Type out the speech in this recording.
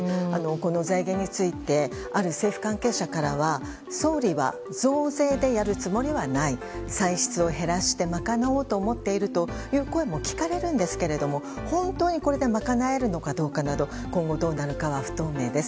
この財源についてある政府関係者からは総理は増税でやるつもりはない歳出を減らして賄おうと思っているという声も聞かれるんですけれども本当にこれで賄えるのかどうかなど今後、どうなるかは不透明です。